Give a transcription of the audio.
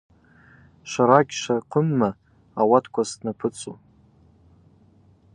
Швара гьшвакӏвымма, ауатква знапӏыцӏу?